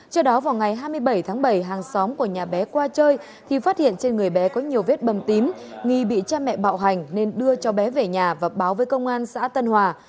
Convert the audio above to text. trước đó vào ngày hai mươi bảy tháng bảy hàng xóm của nhà bé qua chơi thì phát hiện trên người bé có nhiều vết bầm tím nghi bị cha mẹ bạo hành nên đưa cháu bé về nhà và báo với công an xã tân hòa